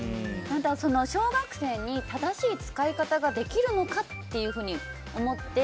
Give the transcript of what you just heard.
小学生に正しい使い方ができるのかっていうふうに思って。